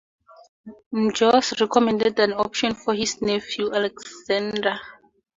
Mojs recommended an option for his nephew Alexander.